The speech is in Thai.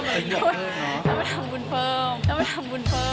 ต้องไปทำบุญเพิ่มต้องไปทำบุญเพิ่ม